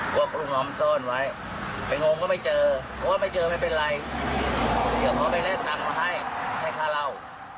บอกลุงหอมโซนไว้ไปงงก็ไม่เจอเพราะว่าไม่เจอไม่เป็นไรเดี๋ยวพอไปเล่นกันเขาให้ให้ฆ่าเรา